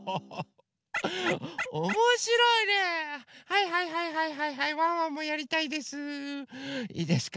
はいはいはいはいはいはいワンワンもやりたいです。